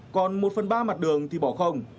còn một phần ba mặt đường thì bỏ không